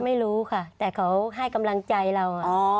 ไม่รู้ค่ะแต่เขาให้กำลังใจเรา